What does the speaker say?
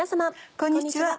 こんにちは。